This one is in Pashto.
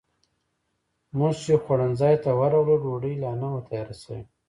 موږ چې خوړنځای ته ورغلو، ډوډۍ لا نه وه تیاره شوې.